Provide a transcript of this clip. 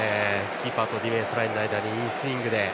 キーパーとディフェンスとの間にいいスイングで。